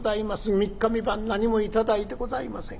三日三晩何も頂いてございません。